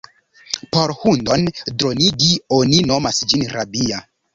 Por hundon dronigi, oni nomas ĝin rabia.